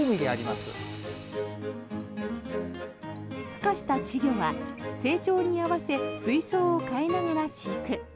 ふ化した稚魚は成長に合わせ水槽を変えながら飼育。